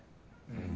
うん！